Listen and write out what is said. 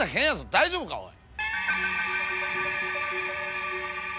大丈夫かおい。